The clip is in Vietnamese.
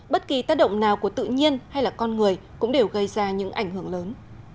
bất kỳ tác động nào của tự nhiên hay là con người cũng đều gây ra những ảnh hưởng lớn